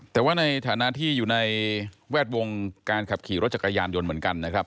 แต่ว่าในฐานะที่อยู่ในแวดวงการขับขี่รถจักรยานยนต์เหมือนกันนะครับ